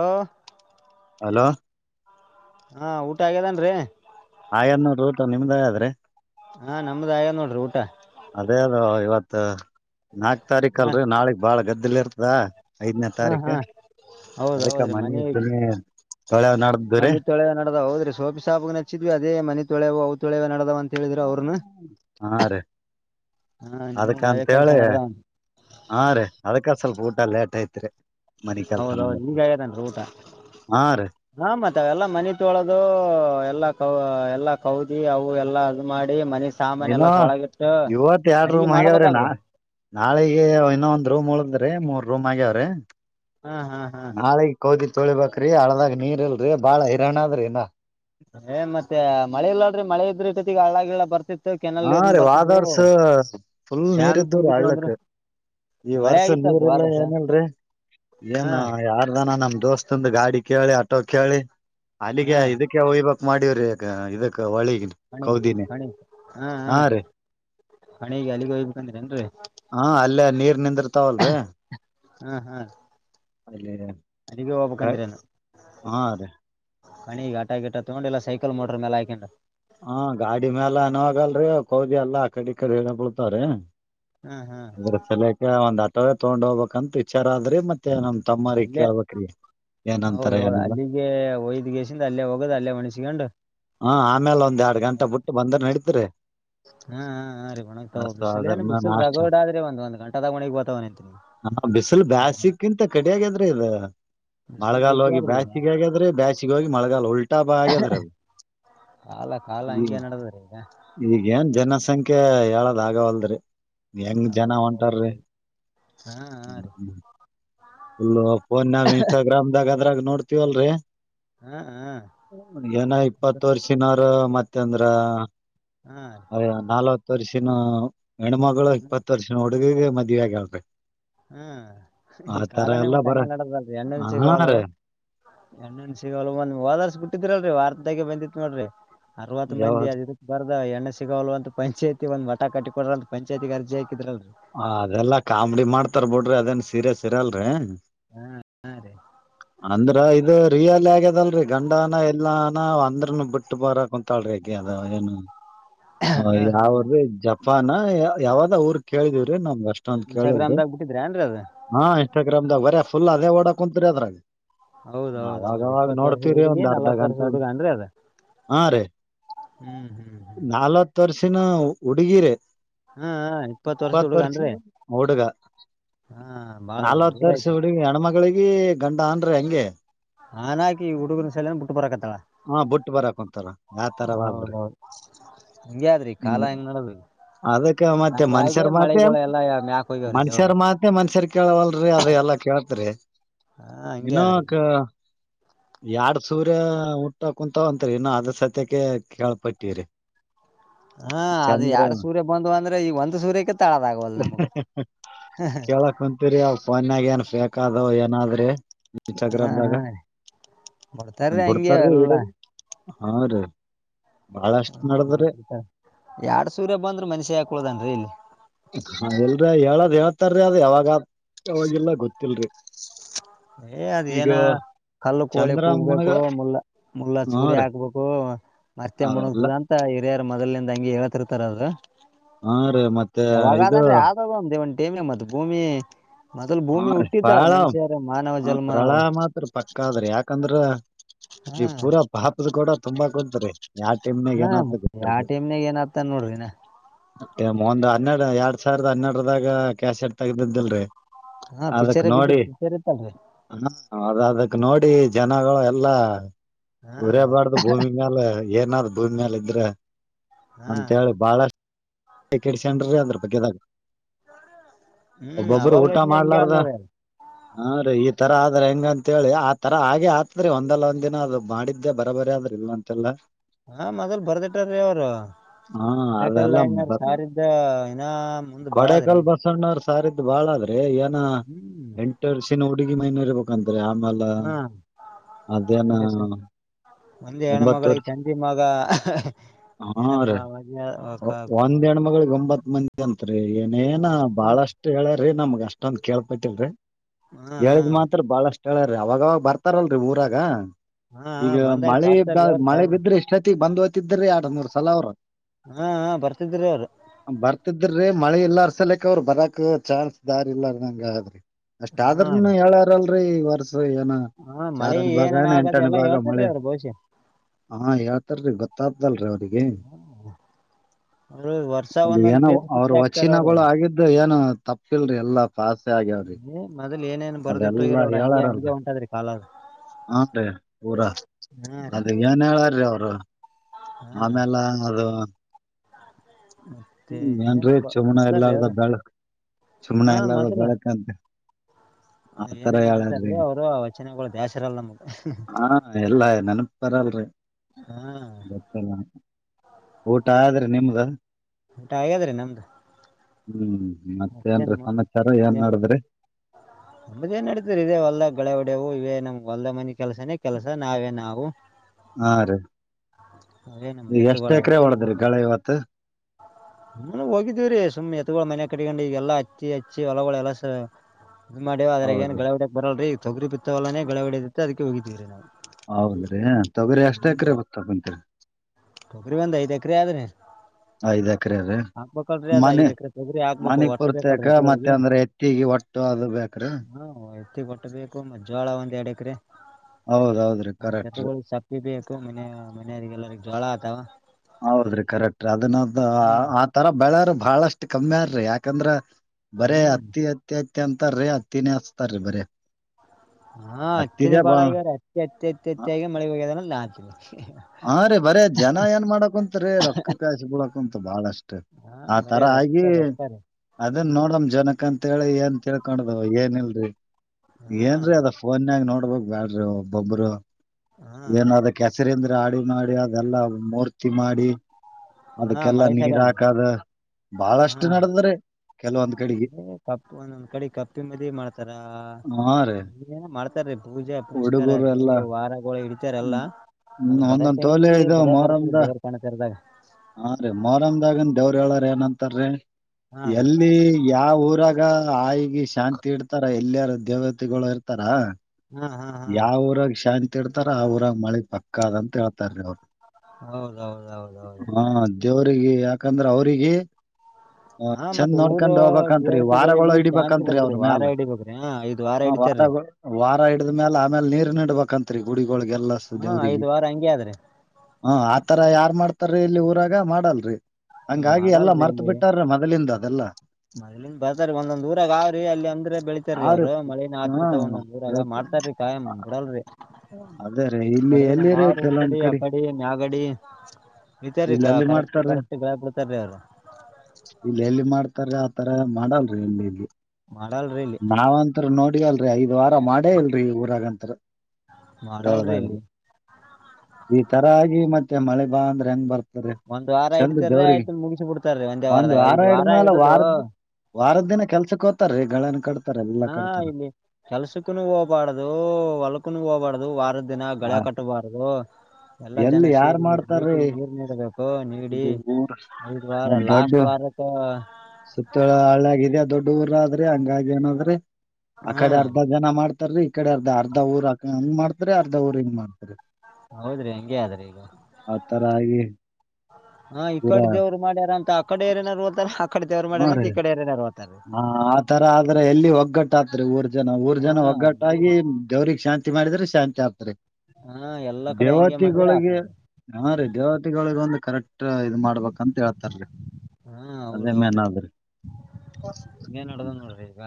ಹಾ ಹಲೋ ಹಾ ಊಟ ಆಗ್ಯದನ್ರಿ ಆನೂ ಊಟ ನಿಮ್ದಾಗ ಆದ್ರೆ [unintelligible] ಹಾ ನಮ್ದ್ ಆಗದ್ ನೋಡ್ರಿ ಊಟ ಅದೇ ಅದು ಇವತ್ತು ನಾಕ್ ತಾರೀಕ ಹಾ ಅಲ್ರಿ ನಾಳಗ್ ಬಾಳ್ ಗದ್ ಅಲ್ಲಿ ಇರ್ತದಾ ಹಾ ಹಾ ಅದಕ್ಕ ಹೌದ್ದ್ರಿ ಮನ ಮನಿ ಪನಿ ತೊಳೆವ್ ನಡ್ದರಿ ಮನೆತೊಳವೆ ನಡದೌದ್ರಿ ಸೋಪಿ ಸಾಪಗ ನಚ್ಚಿದ್ವಿ ಅದೇ ಮನ ತೊಳೆವು ಅವು ತೊಳವೇ ನಡ ಹಾ ರೀ ಹಾ ನಿಮೂ ನಾವೇ ಅದಕಂತ ಕೆಲಸ ಹೇಳಿ ನಡದಾವ ಹಾ ರೀ ಅದಕ್ಕ ಸ್ವಲ್ಪ ಊಟ ಲೇಟ್ ಐತ್ರಿ ಮನಿ ಕೆಲ್ಸ ಹೌದೌದು ಮಾಡಕ್ ಹಗ ಆ್ಯದನ್ರಿ ಊಟ ಹಾ ರೀ ಹ ಮತ್ತ ಎಲ್ಲಾ ಮನೆ ತೊಳದು ಎಲ್ಲ ಎಲ್ಲಾ ಕೌದಿ ಅವು ಎಲ್ಲಾ ಅದ ಮಾಡಿ ಮನಿ ಸಾಮಾನ ಎಲ್ಲಾ ಏನೋ ಸೊಳಗಿಟ್ಟು ಇವತ್ತ ಎಡು ಅಡಿಗೆ ರೂಮ್ ಹಾಗಗ್ಯವ್ರೇನಾ ಮಾಡ್ಬೇಕಲ್ರಿ ನಾಳಿಗೆ ಇನ್ನೊ ಒ ರೂಮ್ ಉಳದ್ರೆ ಮೂರ್ ರೂಮ್ ಆಗ್ಯಾವ್ರೆ ಹ ಹಹ ತೊಳಿಬಕ್ರಿ ಹಳದಾಗ ನೀರ್ ಇಲ್ರಿ ಬಾಳ ಹಿರಣಾ ಆದ್ರಿ ನಾ ಮತ್ತೆ ಮಳೆ ಇಲ್ಲಾಡ್ರಿ ಮಳೆ ಇದ್ರೆ ಜೊತಿಗ ಹಳ್ಳಳಾಗಿಲ್ಲ ಬರ್ತಿತ್ತು ಕೆನಲ್ ಹಾ ನೀರ್ನ್ ರೀ ವಾದ ಬರ್ತಿದ್ವು ವರ್ಸ ಫುಲ್ ಡ್ಯಾಮ್ ನೀರಿತ್ತು ತುಂಬಿದ್ವು ಹಳ್ಳಕ್ಕ ಅಂದ್ರ ಹಳ್ಳ್ಳಕ್ ಈ ಮಳೆ ವರ್ಷ ನೀರ್ ಆಗಿತ್ತಲ್ರಿ ಇಲ್ಲ ವಾದಸ ಏನಲ್ರಿ ಹಾ ಏನ್ ಯಾರ್ದನ ನಮ್ ದೋಸ್ತಂದು ಗಾಡಿ ಕೇಳಿ ಅ ಟಕಿಯಾಳಿ ಅಲ್ಲಿಗೆ ಹಾ ರೀ ಇದಕ್ಕೆ ಹಯ್ಬೇಕ ಮಾಡಿವವ್ರಾ ಇದಕ್ಕೆ ಒಳ್ಳಗಿನ ಕಣಿಗ್ ಕೌದಿನೇ ಕಣಿಗ್ ಹಾ ಹಾ ರೀ ಹಣೆಗೆ ಅಲ್ಲಿಗೆ ಹೋಗ್ಬೇಕಂದ್ರ ಏನ್ರಿ ಹಾ ಅಲ್ಲೇ ನೀರ್ನಿಂದ ಇರ್ತಾವಲ್ರಿ ಹ್ಮ್ ಹ್ಮ್ ಅದಲ್ಲ ಅಗ ಓಬ ಕಂತರು ರೀ ಕಣಿಗ್ ಆಟಾ ಗಿಟ ತಗೊಂಡಿಲ್ಲ ಸೈಕಲ್ ಮೋಟ್ರ ಮೇಲೆ ಹಾಕಂಡ ಹಾ ಗಾಡಿ ಮ್ಯಾಲ ಅನವಾಗಲ್ರಿ ಕೌದಿ ಎಲ್ಲಾ ಆ ಕಡೆ ಕಡೆ ಹೇಳ ಬಳ್ತವ್ರೀ ಹಾ ಹಾ ಅ್ರ ಸಲಕ್ಕೆ ಒಂದ್ ಹತ್ತು ತವೆ ತಗೊಂಡ್ ಹೋಗ್ಬೇಕಂತ ವಿಚಾರ ಆದ್ರೆತ್ತೆ ಅಲ್ಲೇ ಏನಂತಾರ ಹೌದೌದು ಏನಲ್ಲ ಅಲ್ಲಿಗೆ ಒಯ್ದ್ ಗೇಸಿಂದ ಅಲ್ಲೇ ಹೋಗೋದುಅಲ್ಲೇ ಮಣಸ್ಕಂಡು ಹಾ ಆಮೇಲೆ ಒಂದ್ ಎರಡ್ ಗಂಟ ಬಿಟ್ಟು ಬಂದ್ರ ನಡತ್ರರಿ ಹಾ ರೀ ಒಣಗ್ತಾವ ಬಿಸಲ್ ಏನು ಬಿಸಿಲ್ ನಾಷ್ಟ ರಗೋಡ್ ಆದ್ರೆ ಒಂದ್ ಒಂದ್ ಗಂಟೆ ತಗೋಡಗ್ ಬತವಂತನಿ ಹ ಮಳೆಗಾಲಲ್ ಹೋಗಿ ಬ್ಯಾಸಸಿಗೆ ಆಗಾದ್ರೆ ಬ್ಯಾಸಿಗೆ ಹೋಗಿ ಮಳಗಾಲ ಉಲ್ಟಿ ಹಾಗಗಾದ್ರೆ ಅದು ಕಾಲ ಕಾಲ ಹಂಗಗೆ ನಡದ್ರ ಈಗ ಸಂಖ್ಯೆ ಏಳದ್ ಆಗವಲ್ರಿ ಹೆಂಗ್ ಜನ ಹೌದು ಹೊಂಟಾರೀ [inaudible] ಹಾ ಹಾ ರೀ ಫೋನ್ಗ ಇನ್ಸ್ಟಾಗ್ರಾಮದಾಗ ಅದ್ರಾಗ ನೋಡಿ ಮಾಡ್ತೀವಲ್ರಿ ಹಾ ಹಾ [unintelligible] ಇಪ್ಪತ್ತು ವರ್ಷನೂರು ಮತ್ತೆ ಮತ್ತೆಂದ್ರ ಹಾ ಅದ ನಾಲ್ವತ್ತು [unintelligible] ಚನ್ನ ಹೆಣ್ಣ್ಮಗಳು ಹ್ಮ್ ಇಪ್ಪತ್ತು ವರ್ಷ ನೋಡಿ ಹಡುಗಗೆ ಮದ್ವೆ ಆಗ್ಯಾಲ್ರಿ ಹ್ಮ್ ಈ ಕಾಲನೇ ಮತ್ತೆ ಬರ ಹಂಗ ನಡದಲ್ರಿ ಹೆಣ್ಣನ್ ಹಾ ಸಿಗೋಲ್ಲು ರೀ ಹೆಣ್ಣೇ ಸಿಗೋಲು ಒಂದ್ ಓದಾರ್ಸ ಬಿಟ್ಟಿದ್ರಲ್ರಿ ವಾರದಾಗ ಬಂದಿ ನೋಡ್ರಿ ಅರವತ್ ಯಾವ ಮಂದಿ [unintelligible] ಹೆಣ್ಣು ಸಿಗೋಲ್ ಅಂತ ಪಂಚಾಯತಿ ಒಂದು ಮಠ ಕಟ್ಟಿ ಕೊಡ್ರಿ ಅಂತ ಪಂಚಾಯಿತಿಗೆ ಅರ್ಜಿದ್ರಲ್ರಿ ಹಾ ಅದೆಲ್ಲಾ ಕಾಮಿಡಿ ಮಾಡ್ತಾರ ಬಿಡ್ರಿ ಅದೇನ್ ಸೀರಿಯಸ್ ಇರಲ್ರಿ ಹಾ ಹಾ ರೀ ಅಂದ್ರ ಇದು ರಿಯಾಲ ಆಗ್ಯದಲ್ರರಿ ಗಂಡ ಅನ ಎಲ್ಲ ಅನ ಅಂದ್ರನು ಬಿಟ್ಟು ಬರ ಕುಂತಾಳೀಗ ಅದು ಏನು ಹಾ ಯಾವರೀ ಫಾನ ಯಾವುದು ಊರು ಕೇಳಿದಿವ್ರಿ ನಮ್ ಅಷ್ಟೊಂದು ಕೇಳಲ್ರಿ ದಾಗ್ ಬಿಟ್ಟಿದ್ರೇನ್ರಿ ಅದ ಹಾ ಇನ್ಸ್ಟಾಗ್ರಾಮ್ ದರ ಫುಲ್ ಅದೇ ಓಡೋಕ್ಕೆ ಕುಂತೀರಿ ಅದ್ರೆಗೇ ಹೌದೌದ ಹೌದು ಇಪ್ಪತ್ತು ವರ್ಷದ ಹುಡ್ಗಿ ಒಂದ್ ಅರ್ಧ ನಲವತ್ ಗಂಟೆ ವರ್ಷದ ಹಂಗ್. ಹುಡ್ಗ ಅಂದ್ರೆ ಅದ ಹಾ ರೀ [inaudible] ಹ್ಮ್ ಹ್ಮ್ ಹ್ಮ್ ನಲ್ವತ್ ವರ್ಷಿನ ಹುಡುಗಿರೆ ಹಾ ಹಾ ಇಪ್ಪತ್ತ್ ವರ್ಷದ್ ಇಪ್ಪತ್ ವರ್ಷ ಹುಡ್ಗನ್ರಿ ಹುಡುಗ ಹಾ ಬಾಳ ನಾಲ್ವತ್ ದೂರ ವರ್ಷ ಐತ ಹುಡುಗಿ ಹೆಣ್ಮಳಿಗೆ ಗಂಡ ಆನ್ರಿ ಹೆಂಗೆ ನಾನಾಕಿ ಹುಡುಗರ ಸೈಲ ಬಿಟ್ಟು ಬರಕತ್ತಳ ಹಾ ಬಿಟ್ಟು ಬರಾಕ್ [inaudible] ಹೌದೌದು ಹ್ಮ್ [inaudible] ಅದಕ್ಕೆ ಮತ್ತೆ ಹಂಗಾಗಿ ಮನುಷ್ಯರ ಮಾತ ಮಳೆಗಳು ಎಲ್ಲಾ ಮ್ಯಾಕ್ [inaudible] ಹೋಗ್ಯಾವ್ರಿ ದೇವ್ರು ಮನುಷ್ಯರ ಮಾತ ಮನುಷ್ಯರ್ ಕೇಳವಲ್ರರಿ ಅದ ಎಲ್ಲಾ ಕೇಳ್ತರಿ ಹಾ ಹಂಗೇ ಅನ್ರಿ ಎಡ್ ಸೂರ್ಯ ಊಟ ಕುಂತ ಅಂತರಿ ಇನ್ನು ಅದ ಸತ್ಯಕ್ಕೆ ಕೇಳ್ಪಟ್ಟಿರಿ ಹಾ ಅದು ಎರಡು ಸೂರ್ಯ ಬಂದ ಅಂದ್ರೆ ಈಗ ಒಂದ್ ಸೂರ್ಯಕ ತಳದ ಆಗಲ್ಲ ನಮ್ಗ ಬೇಕಾದವ ಏನಾದ್ರೆ ಹಾ ಇನ್ಸ್ಟಾಗ್ರಾಮ್ದಗ ಹಾ ಬಿಡ್ತಾರ್ರೀ [inaudible] ಹಂಗೆ ಬಿಡ್ತಾರೀ ಎಲ್ಲಾ [inaudible] ಹಾ ರೀ [unintelligible] ನಡದ್ರಿ ಎರಡ್ ಸೂರ್ಯ ಬಂದ್ರರು ಮನುಷ್ಯ ಯಾಕೆ ಉಳಿದನ್ರೀ ಹ ಎಲ್ರ ಹೇಳದ್ ಹೇಳ್ತಾರಿ ಅದ್ ಯಾವಾಗ ಅವಾಗೆಲ್ಲ ಗೊತ್ತು ತಿಳ್ರಿ ಏಯ ಅದ್ ಏನ ಕಲ್ಲು ಕೋಳಿ ಚಂದ್ರ ಮುಣಗ ಕೂಗ್ಬೇಕು ಮುಲ್ಲ ಮುಲ್ಲ ಹಾ ಚೂರಿ ರೀ ಹಾಕ್ಬೇಕು ಮತ್ತೆ ಅವೆಲ್ಲ ಮುಣಗ್ತದ ಅಂತ ಹಿರಿಯರ್ ಮೊದ್ಲಿಂದ ಹಂಗಿ ಹೇತಿರ್ತಾರ ಅದು ಹಾ ರೀ ಮತ್ತೆ ಯಾವಾಗ ಇದು ಅದನ್ರಿ ಆದದ ಒಂದ್ ಒಂದ್ ಮತ್ ಭೂಮಿ ಮೊದಲು ಹಾ ಭೂಮಿ ರೀ ಹುಟ್ಟಿದ್ದ ಅ ಬಾಳ ಮನುಷ್ಯ ಹಾ ಪ್ರಳಯ ಮಾತ್ರ ಪಕ್ಕ ಆದ್ರ ಯಾಕಂದ್ರ ಹ ಈ ಹಾ ಪೂರಾ ಪಾಪಸ್ ಕೂಡ ತುಂಬಾ [inaudible] ಯಾವ ಟೈಮ್ನಾಗ ಹಾ ಏನ್ ಆಗ್ತದೆ ಯಾವ ಗೊತ್ತಿಲ್ಲ ಟೈಮ್ನಾಗ ಏನ್ ಆತದ್ ನೋಡ್ರಿ ಇನ್ನ ಟೈಮ್ ಒಂದು ಹನ್ನೆಡ ಎರಡ್ ಸಾವಿರದ ಹನ್ನೆರಡದಾಗ ಕ್ಯಾಶೆಟ್ ತಗ್ದಿದ್ದಲ್ರರಿ ಹಾ ಅದಕ್ ಬಿದ್ದಿ ನೋಡಿ ಇತ್ತಲ್ರಿ ಹ ಅದ ಅದಕ್ ನೋಡಿ ಜನರೂ ಎಲ್ಲಾ ಹಾ ಉರೇ ಬಾರ್ದು ಭೂಮಿ ಮ್ಯಾಲ ಏನಾರೂ ಭೂಮಿಮೇಲೆ ಇದ್ರೆ ಹಾ ಅಂತ ಹೇಳಿ ಬಾಳಷ್ಟ ತಲೆಕೆಡಿಸಿ ಸಂಡ್ರೀ ಅದ್ರ ಬಗ್ಗೆ ಎಲ್ಲಾ ಹ್ಮ್ ಊಟ ಅವಾಗಷ ಎಂಗ ಮಾಡ್ಲಾರ್ದ ಅನ್ನೋರು ಹಾ ರೀ ಈ ತರ ಆದ್ರ ಹೆಂಗ ಅಂತ ಹೇಳಿ ಆ ತರ ಹಾಗೆ ಆತ್ರಿ ರಿ ಒಂದಲ್ಲ ಒಂದಿನ ಅದು ಮಾಡಿದ್ದೆ ಬರ ಬರಿ ಆದ್ರ ಇಲ್ಲ ಅಂತೆಲ್ಲಾ ಹಾ ಮೊದಲ್ ಬರ್ದಿಟೀ ಅವರು ಹಾ ಅದೆಲ್ಲಾ ಯಾಕಂದ್ರೆ ಬ- ಸಾರಿದ್ದ ಇನ ಮುಂದ ಬಾಳಾದ್ರಿ ಸಾರಿದು ಬಾಳ ಆದ್ರಿ ಹೇ ಏನಾ ಎಂಟುವಾರ್ಷಿನ ಹುಡುಗಿ ಮೈನಾರ್ ಆದ್ರೆ ಆಮೇಲೆ ಹಾ ಮಧ್ಯಾಹ್ನ ಒಂದೇ ಹೆಣ್ಣು ಒಂಬತ್ತರ್ ಮಗಳಿಗೆ ತಂದಿ ಮಗ ಹಾ ಏನಮ್ಮ ರೀ ವಜ ಕ ಗ ಒಂದ್ ಹೆಣ ಮಗಳಿಗೆ ಒಂಬತ್ ಮಂದಿ ಅತ್ರಿ ಹಾ ಏನೇನ ಬಾಳಷ್ಟು ಹೇಳ ರೀ ನಮಗ್ ಅಷ್ಟೊಂದ ಕೇಳ್ಪತಿಲ್ರರಿ ಹಾ ಹಾ ಹೇಳಿದ್ ಮಾತ್ರ ಬಾಳಷ್ಟು ಹೇಳೇಳ್ರರಿ ಅವಾಗಾಗ ಬರ್ತಾರಲ್ರರಿ ಊರಾಗ ಹಾ ಹ ಬಂದ ಮಳೆ ಬ ಮಳೆ ಬಿದ್ರೆ ಇಷ್ಟೊತ್ತಿಗ್ ಬಂದೋ ತ್ತಿದ್ರಿ ಯಾಡ್, ಮೂರ್ ಸಲ ಅವರ್ ಹಾ ಹಾ ಬರ್ತಿದ್ರಿ ಅವ್ರು ಬರ್ತಿದ್ರ ಬರ್ತಿತ್ ರೇ ಮಳೆ ಇಲ್ಲ ಅರ್ಸಲೆಕ್ ಅವರು ಬರಾಕ್ ಚಾನ್ಸ್ ದಾರಿ ಇಲ್ಲಾರದಂಗ್ ಅದರಿ. ಅಷ್ಟ ಹಾ ಆದ್ರೂನು ರೀ ಹೇಳ್ಯಾರಲ್ ಬರೇ ಈ ವರ್ಷ ದೋ ಏನ ಹಾ ಮಳಿ ಚಾರನನೆ ಭಾಗ, ಏನೇನ್ ಆಗದ್ ಎಂಟನೆ ಎಲ್ಲಾ ಭಾಗ ಹೇಳ್ತಾರ್ರಿ ಮಳೆ ಐತಿ. ಅವ್ರು ಬಹುಶಃ ಹಾ ಹೇಳ್ತಾರಿ ಗೊತ್ತಾತ್ ಅಲ್ರಿ ಅವ್ರಿಗೆ ಅವ್ರು ವರ್ಷ ಅಲ್ಲಿ ಒಂದೊಂದ್ ಏನೋ ಪೇಜ್ ಅವ್ರ ಕಿತ್ತಿ ಹಾಕ್ತಾರ ಅವ್ರು ವಚಿನಳ ಆಗಿದ್ದ ಏನ್ ತಪ್ಪಿಲ್ರಿ ಎಲ್ಲಾ ಪಾಸ್ ಆಗ್ಯಾವರಿ. ಏ ಮೊದಲ್ ಏನೇನ ಬರದ ಇಟ್ಟ ಹೋಗ್ಯಾರ್ ಅವರ್ ಹಂಗೆ ಹಂಗೆ ಹೊಂಟದ್ರಿ ಕಾಲ ಅದ್. ಹಾನ್ರೀ ಊರಾ ಹಾ ರೀ ಅದ ಏನ್ ಹೇಳ್ಯಾರೀ ಅವರು. ಹಾ ಆಮೇಲಾ ಅದು ಮತ್ತೆ ಏನೇನ ಏನ್ರೀ ಚುಮುನ ಬರ್ತಾರೀ ಇಲ್ಲಾರ್ದ ಅವ್ರು ಬೆಳಕ್ ಹಾ ಚುಮುನ ಇಲ್ಲಾರ್ದ ಮೊದಲ ಬೆಳಕಂತೆ. ಆತರ ಏನೇನ ಹೇಳ್ಯಾರಿ ಅಂತಾರೀ ಅವ್ರು ವಚನಗಳು ಬ್ಯಾಸರಲ್ಲ ನಮಗ ಹಾ ಎಲ್ಲ ನೆನಪ ಬರಲ್ರಿ ಹಾ [unintelligible] ಊಟಾ ಹ್ಮು ಊಟ ಆಗ್ಯದರಿ ನಮ್ದ. ಹ್ಮು ಮತ್ತೇನ್ ಮ ಗ ನಮದೇನ್ ನಡೆದರಿ ಇಲ್ಲೆ ಹೊಲ್ದಾಗ್ ಗಳೆ ಒಡೆವು ಇವೇ ನಮ ಒಲ್ದ ಮನಿ ಕೆಲ್ಸನೇ ಕೆಲಸ ನಾವೇ ನಾವು ಹಾ ರೀ. ಅದೇ ನಮ್ ಈಗ ಎಷ್ಟ್ ಎತ್ತುಗೋಳ್ ಎಕರೆ ಆಯ್ತು ನಾವ ಹೊಡದ್ರಿ ಗಳ ಆಯ್ತು ಇವತ್ತು ಹಂಗ್ ಹೋಗಿದ್ದೀವ್ರೀ ಸುಮ್ ಎತ್ತುಗೋಳ್ ಮನ್ಯಾಗ್ ಕಡಿಗಂಡಿಗೆಲ್ಲ ಅಚ್ಚಿ ಅಚ್ಚಿ ಹೊಲಗೋಳ್ ಎಲ್ಲ ಸ ಮಾಡ್ಯಾವ ಅದ್ರಾಗ್ ಏನ್ ಹೌದು ಗಳೆ ಹೊಡ್ಯಾಕ್ ಬರಲ್ರಿ ಈ ತೋಗರಿ ಬಿತ್ತವಲನೆ ಗಳೆ ಹೋಡಿದಿತ್ತು ಅದಕ್ಕೆ ಹೋಗಿದೀವಿ ನಾವು. ಹೌದ್ರಿ ತೊಗರಿ ಎಷ್ಟ ಹ್ಮ್ ಎಕರೆ ಬತ್ತು. ಕುಂತಿರಿ ತೊಗರಿ ಒಂದ್ ಐದ್ ಎಕರೆ ಆದ್ರಿ ಐದ್ ಎಕರೆ ಅದ ಹಾಕ್ಬೇಕಲ್ರಿ ಅದ್ ಮನಿ ಐದ್ ಎಕರೆ ತೊಗರಿ ಹಾಕ್ಬೇಕು ಮನಿ ಒಟ್ಟ ಬೇಕಲ್ರಿ ಪುರ್ತೇಕ್ ಮತ್ತೆ ಎತ್ತುಗಳಿಗೆ. ಅಂದ್ರೆ ಎತ್ತಿಗೆ ಒಟ್ಟು ಅದು ಬೇಕರ್ಯ. ಎತ್ತಿಗ್ ಹೋಟ್ಟಬೇಕು ಮತ್ತ್ ಜೊಳ್ ಒಂದ, ಎರಡ ಎಕರೆ. ಹೌದ್ ಹೌದ್ರಿ ಹೌದು ಕರೆಕ್ಟ್ ರೀ ಎತ್ತಗೋಳಿಗ್ [unintelligible] ಬೇಕ ಮನ್ಯಾ ಮನೆವರಿಗೇಲ್ಲರಿಗ್ ಜ್ವಾಳ್ ಆತಾವ. ಹೌದ್ರಿ, ಕರೆಕ್ಟ್. [inaudible] ಅದನ್ನದು, ಹ್ಮ್ ಆತರ ಬೆಳಾರು [inaudible] ಬಹಳಷ್ಟು ಕಮ್ಯಾರಿ ಯಾಕಂದ್ರ. ಬರೇ ಹ್ಮ್ ಅತ್ತಿ ಅತ್ತಿ. ಅಂತರ ರೀ! ಅತ್ತಿನೇ ಹಸ್ತಾರೆ ರೀ ಬರಿ. [inaudible] ಹಾ ಅಚೀನಿ ಬಾಳ ಆಗ್ಯಾರ ಅತಿ ಅತೀ. ಅತಿ ಅತೀಯಾಗಿ ಮಳೆ ಹೋಯ್ತು. [unintelligible] ಹ, ರೀ ಬರೆ! ಜನ ಏನ್ ಮಾಡಾಕುಂತ ರೀ ರೊಕ್ಕ ಕ ಆಸೆ ಬಿಳಾಕುಂತು, ಬಾಳಷ್ಟು! ಹಾ ಆತರ ಬರೇ ಆಗಿ ರೊಕ್ಕ ರೊಕ್ಕ ರೀ ಅದನ್ ನೋಡದಮ ಜನಕ್. ಚಕ್ ಅಂತ ಹೇಳಿ ಏನ್ ತಿಳ್ಕೊಂಡಿದವ್! ಏನ್ ಇಲ್ರಿ. ಹಾ ಏನ್ರೀ, ಅದು ಫೋನ್ಯಾಗ ನೋಡು. ಒಬ್ಬಬ ಬ್ಯಾಡ್ರೊ ಒಬ್ಬಬ್ರೋ. ಹಾ ಏನದು ಕೆಸರಿಂದ. ಆಡಿ ಮಾಡಿ ಅದೆಲ್ಲ ಮೂರ್ತಿ ಮಾಡಿ. ಹಾ ಅದಕ್ಕೆಲ್ಲಾ ಮಳೆ ಶಾಲೆ ನೀರ್ ಅಂದ್ರ ಹಾಕದ. ಹಾ ಬಾಳಷ್ಟು ನಡದ್ರಿ ಕೆಲವೊಂದ್ ಕಡಿಗೆ ಕಪ್ಪು ಒಂದೊಂದ್, ಕಡೆ ಕಪ್ಪಿ ಮದಿ ಮಾಡ್ತಾರ. ಹಾ ರೀ ಇನ್ನು, ಏನೋ, ಮಾಡ್ತಾರೀ! ಪೂಜೆ ಪುನಸ್ಕಾರ. ಹುಡುಗರು ಎಲ್ಲ ದೇವರು ವಾರಗಳು ಹಿಡಿತಾರೆಲ್ಲ. ಹ್ಮ್, ಒಂದೊಂದ್ ತೋಲೆ ಇದು ಮೊರಮ್ದ ಕಣ್ ತೆರ್ದಾಗ ಹಾ ರೀ ಮೊರಮ. ದೇವ್ರ ಹೇಳಾರ ಏನಂತಾರೀ. ಹಾ [inaudible] ರೀ ಎಲ್ಲಿ ಯಾ ವುರಾಗ. ಆಯೋ ಆಯಿ [inaudible] ಶಾಂತಿ ಇಡ್ತಾರೆ ಎಲ್ಲಿ! [inaudible] ದೇವತೆಗಳು ಇರ್ತಾರಾ. ಹಾ ಹಾ ಹಾ ಯಾವ ಊರಾಗ ಶಾಂತಿ. ಇಡ್ತಾರ, ಆ ಊರಾಗ ಮಳಿ ಪ. [inaudible] ಕಾದ ಅಂತ ಹೇಳ್ತಾರೀ ಅವರ. ಹೌದೌದೌದೌದು. ಯಾಕಂದ್ರೆ, ಅವ್ರಿಗಿ. ಹ ಹಾ ಮತ್ತ್ ಚಂದ್ ಊರು ನೋಡ್ಕೊಂಡು ಹೋಗ್ಬೇಕು, ಅಂತರಿ ವಾರಗಳು ದೇವತೆಗೊಳಿಗಿ ಇಡಿಬೇಕು ಶಾಂತಿ ಅಂತರಿ ಇರ್ಬೆಕ್ರಿ ಅವ್ರ ವಾರ ಮ್ಯಾಲೆ ಹಿಡಿಬೇಕ್ರಿ ಹಾ ಐದ್ ವಾರ ಹಾ ಹಿಡಿತಾರ್ರಿ ವಾರಗಳು ವಾರ ಹಿಡದ್ಮೈಲೆ ಆಮೇಲೆ ನೀರ್. ನಡಬೇಕಂತತ್ರಿ ಗುಡಿಗ. [inaudible] ೊಳಗೆಲ್ಲಸದೆ ಹಾ ಅವ್ರಿಗೆ. ಐದ್ ವಾರ ಹಂಗೆ ಆದ್ರಿ [inaudible] ಹ ಆತರ ಯಾರ್ ಮಾಡ್ತ. ತ್ತರ ಇಲ್ಲಿ ಊರಾಗ ಮಾಡಲ್ರಿ ಇಲ್ ಹಂಗಾಗಿ ಎಲ್ಲಾ ಮರ್ತ್ ಬಿಟ್ಟಾರ ಮೊದಲಿಂದದ ಅದೆಲ್ಲ ಬರ್ತಾರೀ ಒಂದೊಂದ್ ಊರಾಗ ಆ ರೀ ಅಲ್ಲಿ ಅಂದ್ರೆ ಬೆಳಿತಾರೀ ಅವ್ರಿ ಅವ್ರು ಮಳೀನ ಹಾ ಆತಿರ್ತ ಒಂದೊಂದ್ ಊರಾಗ ಪ್ರತಿ ಮಾಡ್ತಾರೀ ಕಾಯಂ ಬಿಡಲ್ರೀ ಅದೇ ರೀ ಇಲ್ಲಿ ಮಳ ಎಲ್ಲಿರಿ ಆ್ರ ಊರ್ ಕೆಲವೊಂದ್ ಕಡೆ ಆ ಕಡೆ ಮ್ಯಾಗಡಿ ಇತಾರಿ ಇಲ್ಲ ಕ ಎಲ್ಲಿ ಕರೆಕ್ಟ್ ಮಾಡ್ತಾರೀ ಕರೆಕ್ಟ್ ಗಳೇಕ್ ಬಿಡ್ತಾರೀ ಅವರು ತರ ಮಾಡಲ್ರಿ ಎಲ್ಲಿ ಇಲ್ಲಿ ಮಾಡಲ್ರಿ ಇಲ್ಲಿ ನಾವಂತ್ರೂ ನೋಡಿ [unintelligible] ವಾರ ಮಾಡೇ ಇಲ್ರೀ ಊರಾಗ ಹ. [inaudible] ಮಾಡಲ್ರಿ ಇಲ್ಲಿ. ಈ ತರ ಆಗಿ ಮತ್ತೆ ಮಳೆ ಬಾ ಅಂದ್ರೆ ಹೆಂಗ್ ಬರ್ತ ಒಂದ್ ವಾರ ಇಡ್ತಾರ ಆಯ್ತ ಮುಗಿಸಿ ಬಿಡ್ತಾರೀ ಒಂದೇ ಒಂದ್ ವಾರದಾಗ ಐದು ವಾರ ಹಿಡ್ದ್ಮ್ಯಾಲ ಹಿಡದು ವಾರದ ವಾರದ ದಿನ ಕೆಲ್ಸಕ್ಕೆ ಹೋತಾರೀ ಗಳನ್ ಕಡ್ ಹಾ ಇಲ್ಲಿ ಕೆಲ್ಸಕ್ಕೂನು ಹೋಗಬಾರ್ದು ಹೊಲಕುನು ಹೋಗಬಾರಡ್ದ ವಾರದ್ದ ದಿನ ಆ ಗಳೆ ಕಟ್ಟಬಾರದೂ ಎಲ್ಲಾ ಎಲ್ಲಿ ಜನ ಯಾರ್ ಸೇರಿ ಬೇಟ ಮಾಡ್ತಾರ್ರಿ ನೀರ್ ನೀಡ್ಬೇಕು ನೀಡಿ ಇದು ಊರ್ ಐದ್ ವಾರ ದೊಡ್ಡ ಲಾಸ್ಟ್ ವಾರಕ್ಕ ಸುತ್ತಳ ಹಳ್ಳಾಗಿದೆ ದೊಡ್ಡ ಊರ್ ಆದ್ರಿ ಹಂಗಾಗಿ ಏನಾದ್ರೆ ಆ ಹಾ ಕಡೆ ಅರ್ಧ ಜನ ಮಾಡ್ತ ಈ ಕಡೆ ಅರ್ಧ ಅರ್ಧ ಊರ್ಂಗ ಮಾಡತಾರೀ ದವ್ರು ಹಿಂಗ್ ಮಾಡ್ತಾರೀ ಹೌದ್ರಿ ಹಂಗೆ ಆದ್ರಿ ಈಗ ಆ ತರ ಆಗೀ ಹಾ ಈ ಕಡೆ ದೇವ್ರು ಮಾಡ್ಯಾರ ಅಂತ ಕಡೆ ಏರ್ಯಾನವ್ರ ರೋಥರ ಅಕಡೆ ದೇವ್ರು ಮಾಡ್ಯಾರಂತ ಈಕಡೆ ಏರಿಯಾದವ್ರು ಹಾ ಆ ತರ ಆದ್ರ ಎಲ್ಲಿ ಒಗ್ಗ [unintelligible] ಜನ ಊರ್ ಹಾ ಜನ ಒಗ್ಗಟ್ಟಾಗಿ ದೇವ್ರಿಗೆ ಶಾಂತಿ ಮಾಡಿದ್ರೆ ಶಾಂತಿ ಆಗ್ತ ಹಾ ಎಲ್ಲಾ ಕಡೆ ಹಂಗೆ ಮಾಡಿದ್ರ ಆತ ದೇವತಿಗಳಿಗೆ ಹಾ ರೀ ದೇವತಿಗಳಿಗೆ ಒಂದು ಕರೆಕ್ಟ್ ಇದ ಮಾಡ್ಬೇಕಂತ ಹೇಳ್ತಾರಿ ಹಾ ಅದೇ ಹೌದ್ ಹೌದ್ರಿ ಮೇನದ್ರಿ ಹಂಗೆ ನಡ್ದದ ನೋಡ್ರಿ ಈಗ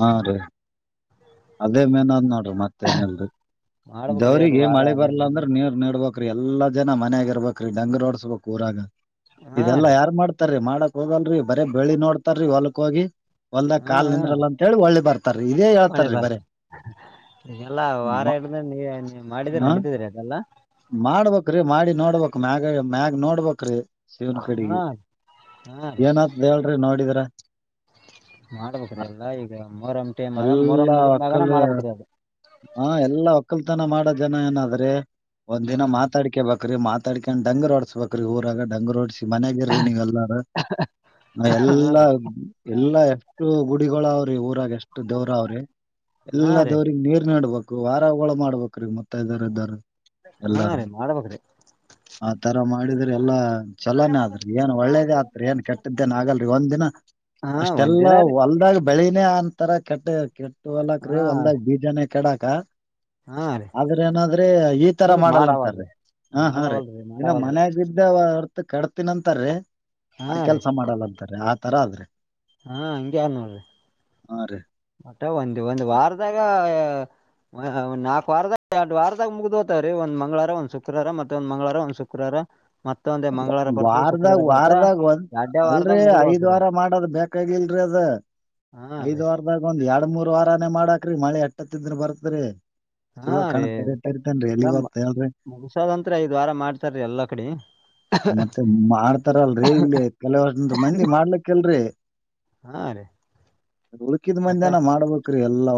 ಹಾ ರೀ ಅದೇ ಮೇನ್ದ್ ನೋಡಿ ಮತ್ತೇನಲ್ರರಿ ಮಾಡ್ಬೇಕ್ರಿ ಅದು ದವ್ರಿಗೆ ವಾರ ಮಳೆ ಎಲ್ಲ ಬರ್ಲ್ಲ ಹಿಡ್ದು ಅಂದ್ರೆ ನೀರ್ ನೀಡ್ಬೇಕ ಕ್ರೀ ಎಲ್ಲಾ ಜನ ಮನ್ಯಾಗ ಇರ್ಬೇಕ್ರೀ ಡಂಗುರ ಹೊಡಸ್ಬೇಕ್ ಊರಾಗ ಹಾ ಇದೆಲ್ಲ ರೀ ಯಾರು ಮಾಡ್ತಾರೆ ಮಾಡ ಹೋಗದಲ್ರಿ ಬರ ಬಳಿ ನೋಡ್ತಾರೀ ಒ ಿ [unintelligible] ಒಂದದಾಗ ಕಾಲ್ ನಿಂದ್ರಲ್ಲ ಅಂತೇಳಿ ಒಳ್ಳೆ ಬರ್ತಾರೆ ಒಳೆ ಬರ್ತ ಈಗೆಲ್ಲ ವಾರ ಹ ಹಿಡ ನೀ ನೀ ಮಾಡಿದ್ರ ನಡತಿದ್ರಿ ಅದೆಲ್ಲ ್ರೀ ಮಾಡಿ ನೋಡ್ಬೇಕಕ್ ಮ್ಯಾಗ ಮ್ಯಾಗ ನೋಡ್ಬ್ರೀ ಶಿವನ್ ಹಾ ಕಡೆಗೆ ಹಾ ರೀ ಏನಾದ ಹೇಳ್ರಿ ನೋಡಿದರ ಮಾಡ್ಬೇಕ್ರಿ ಎಲ್ಲ ಈಗ ಮರಂ್ ಟೈಮ್ ಅದ ಮರಂ್ ಎಲ್ಲಾ ಮುಗಿದ ಮಾಗನ ಒಕ್ಕಲ್ ಮಾಡ್ಬೇಕ್ರಿ ಅದು ಹಾ ಎಲ್ಲಾ ಒಕ್ಕಲ್ತನ ಮಾಡ ಜನ ಏನಾದ್ರೀ ಒಂದ ಹಾ ದಿನ ಮಾತಾಡ್ಕಬೇ ಬಕ್ರ ಮ ಮಾತಾಡೊಂಡ ಂಗರ್ರಡಸ್ಬೇಕ್ರ ಊರಾಗ ಡಂಗುರ ಓಡ್ಸಿ ಮನಗೆರಿ ನೀ ಎಲ್ಲಾರ ಹಾ ಎಲ್ಲಾ ರೀ ಎಲ್ಲಾ ಎಷ್ಟು ಗುಡಿ ಅವ್ರೀ ಊರಾಗೆ ಎಷ್ಟು ದವರ ಅವ್ರೆ ಹಾ ಎಲ್ಲಾ ರೀ ದವ್ರಗ್ ನೀ ನಡ್ಬೇಕು ವಾರ ಹೋಳ ಮಾಡ್ಬೇಕ್ರೀ ಮತ್ತ ಇದ್ದಾರ ಇದ್ದಾರ ಹಾ ಎಲ್ಲಾರ ರೀ ಮಾಡ್ಬೇಕ್ರಿ ಆತರ ಮಾಡಿದರೆ ಎಲ್ಲಾ ಚಲೋನೇ ಆದ್ರಿ ಏನ್ ಒಳ್ಳೇದ ಆತ್ರಿ ಏನ್ ಕೆಟ್ಟ್ದೇನ್ ಆಗಲ್ರಿ ಒಂದ್ಿನ ಹಾ ಒಂದ್ ಅಷ್ಟೆಲ್ಲಾ ದಿನ ರೀ ಒಲ್ದಾಗ ಬೆಳಿನೇ ಅಂತರ ಕೆಟ್ಟ ಕೆಟ್ಟ ಹೊಲಕ ರೀ ಹಾ ಒಲ್ದಾಗ್ ಬೀಜಾನೇ ಕೆಡಾಕ ಹಾ ರೀ ಆದ್ರೆ ಏನಾದ್ರೆ ಈ ತರ ಇಲ್ ಮಾಡಲ್ಲಂತಾರೀ ಮಾಡವಲ್ರಿ ಹ ಹಾ ರರಿ ಮಾಡವಲ್ರಿ ಇನ್ನು ಮಾಡವಲ್ರಿ ಮನ್ಯಾಗಿದ್ದ ಕಡ್ತಿನಂತಾರೀ ಆ ಹಾ ರೀ ಕೆಲ್ಸ ಮಾಡಲ್ಲಂತಾರೆ ತರ ಆದ್ರೆ ಹಾ ಹಂಗಗೆ ಯಾರ ನೋಡ್ರಿ ಹಾ ರೀ ಮತ್ತೆ ಒಂದು ಒಂದು ವಾರದಾಗ ನಾಲ್ಕು ವಾರದ ಎರಡ್ ವಾರದಾಗ ಮುಗ್ದ್ ಹೋತವ್ರೀ ಒಂದ್ ಮಂಗಳಾರ ಒಂದ್ ಶುಕ್ರವಾರ ಮತ್ತೆ ಒಂದ್ ಮ್ವಾರ ಒಂದ್ ಶುಕ್ರವಾರ ಮತ್ತೊಂದೇ ಮಂಗಳವಾರ ಬರ್ತದ ವಾರದಾಗ ಶುಕ್ರವಾರ ಬರ್ತಾ ವಾರದಾಗ ಒಂದ ಎರಡೇ ವಾರದಾಗ ಅಲ್ರರಿ ಮುಗ್ದು ಐದ್ ಹೋತ್ರಿ ವಾರ ಅದು ಮಾಡದ್ ಬೇಕಾಗಿಲ್ರಿ ಅದ್ ಹಾ ರೀ ಐದ್ ವಾರದಾಗ ಒಂದ್ ಎರಡ್ ಮೂರ್ ವಾರಾನೇ ಮಾಡಾಕ್ರೀ ಮಳಿ ಎಟ್ಟತ್ತಿದ್ರ ಬರ್ತ್ರಿ ಹಾ ರೀ ಹೋಗ್ತ ಹೇಳ್ರಿ ಮಸಾದಂತ್ರ ಐದ್ ವಾರ ಮಾಡ್ತಾರೀ ಎಲ್ಲಾ ಕಡೆ ಮತ್ತೆ ಮಾಡ್ತಾರಲ್ರೀ ಇಲ್ಲಿ ಕೆಲವರ್ಷ ಮಂದಿ ಮಾಡ್ಲಿಕ್ಕಲ್ರರಿ ಹಾ ರೀ ಹುಡುಕಿದ ಮಂದಿಏನ ಮಾಡ್ಬೇಕ್ರೀ ಎಲ್ಲ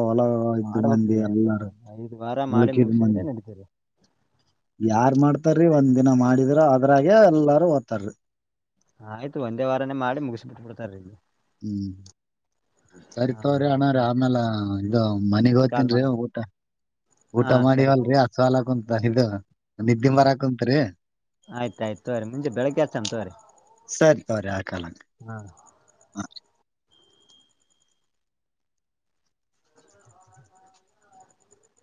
ಮಾಡ್ಬೇಕ ಎಲ್ಲ ನಾ ಐದ ವಾರ ಮಾಡಿ ಉಳ್ಕಿದ್ ಮುಗಿಸಿದ್ರೆ ಮಂದಿ ನಡತೇವೆ ಯಾರ್ ಮಾಡ್ತಾರಿ ಒಂದ್ ದಿನ ಮಾಡಿದ್ರ ಅದ್ರಾಗೆ ಎಲ್ಲಾರು ಓದ್ತಾರಿ ಆಯ್ತು ಒಂದೇ ವಾರಾನೇ ಮಾಡಿ ಮುಗಿಸಿ್ಬ ಬಿಟ್ಟುಬಿಡ್ತಾರ ಇಲ್ಲಿ ಹ್ಮ್. ಹಾ ಕರಿತವ್ರಿ ಅಣ ರೀ ಸರಿ ಆಮೇಾಲ ಇದು ಮನೆಗ್ ಮತ್ತ್ ಹೋಗ್ತನ್ ರೀ ಮಾಡಮ್ ಊಟ. ಊಟ ಹಾ ಸರಿ ಮಾಡಿವಲ್ರರಿ ತೋರಿ ಅಸವಾಲಕ್ಕ ಉಂಂತ. ಇದು. ನಿದ್ದೆ ಹಾ ಮರಾಕಂತ್ರಿೀ ಆಯ್ತ್ ಆಯ್ತ್ ತೋರಿ ಮುಂಜೆ ಬೆಳಗ್ಗೆ ಹಚ್ಚಮ್ ತೋರಿ ಸರಿ ಸರಿ ಆಾಕಲ್ಲಂಗ. ಹಾ.